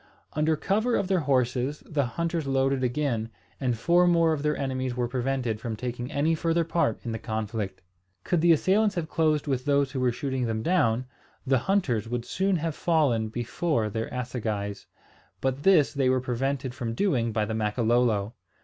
Under cover of their horses the hunters loaded again, and four more of their enemies were prevented from taking any further part in the conflict. Could the assailants have closed with those who were shooting them down, the hunters would soon have fallen before their assegais, but this they were prevented from doing by the Makololo.